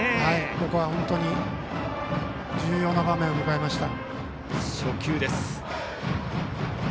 ここは本当に重要な場面を迎えました。